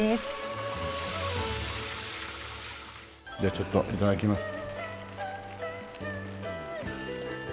じゃあちょっといただきます。